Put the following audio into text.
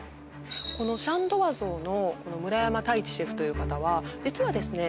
このシャンドワゾーの村山太一シェフという方は実はですね